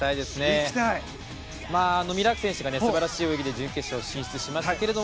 ミラーク選手が素晴らしい泳ぎで決勝進出しましたけど